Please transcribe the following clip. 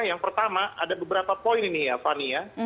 yang pertama ada beberapa poin ini ya fani ya